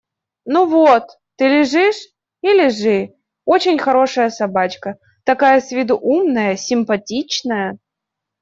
– Ну вот! Ты лежишь? И лежи… Очень хорошая собачка… такая с виду умная, симпатичная.